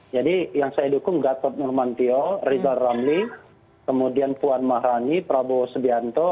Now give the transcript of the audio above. jadi yang saya dukung gatot nurmantio rizal ramli kemudian puan maharani prabowo sedianto